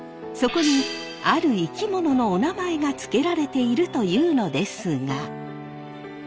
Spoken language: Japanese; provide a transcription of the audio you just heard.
そこにある生き物のおなまえが付けられているというのですが。